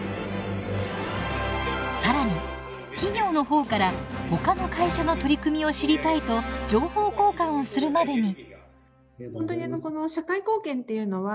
更に企業の方からほかの会社の取り組みを知りたいと情報交換をするまでに。